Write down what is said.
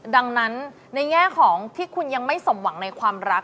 ดังนั้นในแง่ของที่คุณยังไม่สมหวังในความรัก